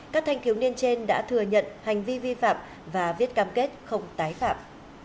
các thanh thiếu niên trên đã thừa nhận hành vi vi phạm và viết cam kết không tái phạm